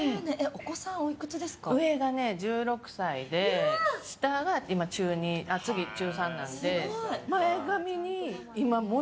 上が１６歳で下は中２次、中３なので。